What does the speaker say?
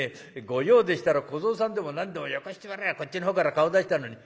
御用でしたら小僧さんでも何でもよこしてもらえばこっちの方から顔出したのに。